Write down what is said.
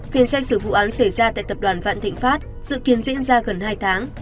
phiền xét xử vụ án xảy ra tại tập đoàn vạn tịnh phát dự kiến diễn ra gần hai tháng